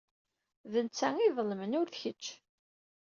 D netta ay iḍelmen, ur d kecc.